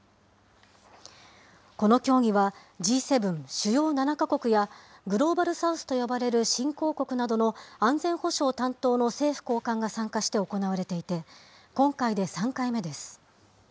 この協議はＧ７・主要７か国やグローバル・サウスと呼ばれる新興国などの安全保障担当の政府高官が参加して行われていて、今回で３回目です。